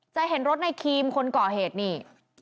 จะเห็นรถในครีมคนก่อเหตุนี่